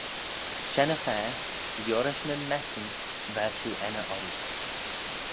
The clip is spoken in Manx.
Shen-y-fa liorish nyn messyn ver shiu enney orroo.